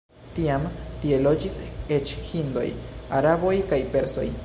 Tiam tie loĝis eĉ hindoj, araboj kaj persoj.